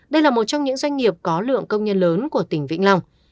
đây là một trong những doanh nghiệp có lượng công nhân lớn của tỉnh vĩnh long